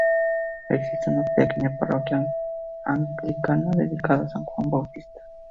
Existe una pequeña parroquia anglicana, dedicada a San Juan Bautista.